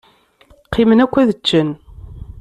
Qqimen akk ad ččen.